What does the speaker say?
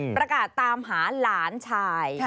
ประกาศตามหาหลานชาย